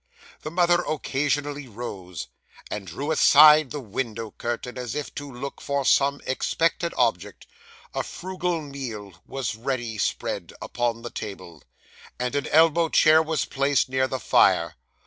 The mother occasionally rose, and drew aside the window curtain, as if to look for some expected object; a frugal meal was ready spread upon the table; and an elbow chair was placed near the fire.